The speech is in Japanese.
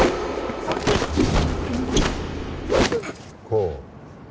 こう。